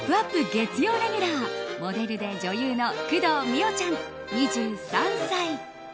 月曜レギュラーモデルで女優の工藤美桜ちゃん、２３歳。